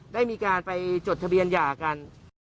ได้มีการไปจดทะเบียนหย่ากัน